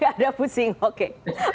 gak ada pusing oke